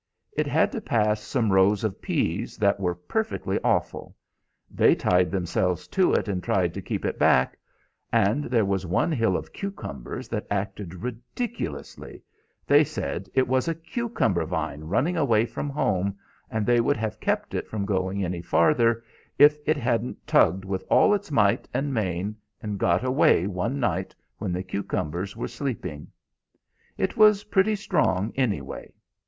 It had to pass some rows of pease that were perfectly awful; they tied themselves to it and tried to keep it back; and there was one hill of cucumbers that acted ridiculously; they said it was a cucumber vine running away from home, and they would have kept it from going any farther, if it hadn't tugged with all its might and main, and got away one night when the cucumbers were sleeping; it was pretty strong, anyway.